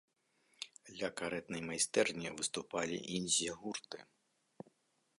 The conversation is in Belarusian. Ля карэтнай майстэрні выступалі індзі-гурты.